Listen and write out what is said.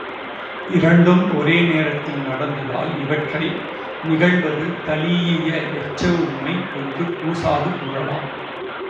இரண்டும் ஒரே நேரத்தில் நடந்ததால் இவற்றை நிகழ்வது தழீஇய எச்ச உம்மை என்று கூசாது கூறலாம்.